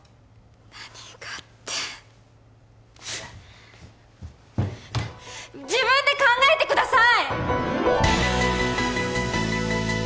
「何が」って自分で考えてください！